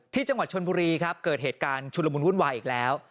ที่จังหวัดชนบุรีครับเกิดเหตุการณ์ชุลมุนวุ่นวายอีกแล้ว